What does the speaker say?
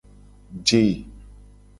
Je.